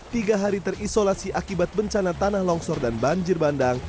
tiga hari terisolasi akibat bencana tanah longsor dan banjir bandang